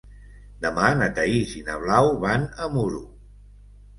Demà na Thaís i na Blau van a Muro.